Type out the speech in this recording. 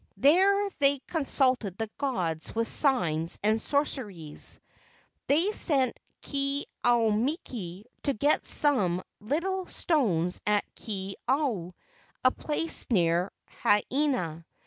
There they consulted the gods with signs and sorceries. They sent Ke au miki to get some little stones at Kea au, a place near Haena.